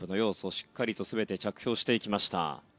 しっかりと全て着氷していきました。